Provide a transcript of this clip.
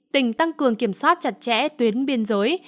tỉnh tăng cường kiểm soát chặt chẽ tuyến biên giới